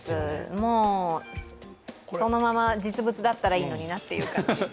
もう、そのまま実物だったらいいのになという感じ。